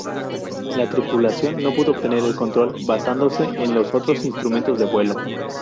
La tripulación no pudo obtener el control basándose en los otros instrumentos de vuelo".